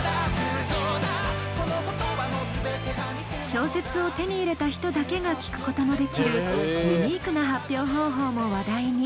小説を手に入れた人だけが聴くことのできるユニークな発表方法も話題に。